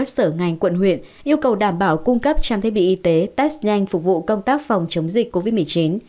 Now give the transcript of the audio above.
sở ngành quận huyện yêu cầu đảm bảo cung cấp trang thiết bị y tế test nhanh phục vụ công tác phòng chống dịch covid một mươi chín